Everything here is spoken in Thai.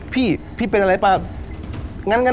พี่เป็นไง